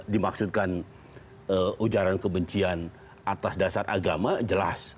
dimaksudkan ujaran kebencian atas dasar agama jelas